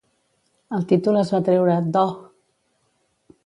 El títol es va treure d'Oh!